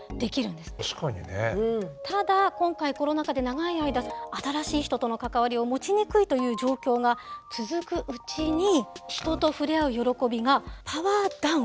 ただ今回コロナ禍で長い間新しい人との関わりを持ちにくいという状況が続くうちに人と触れ合う喜びがパワーダウン。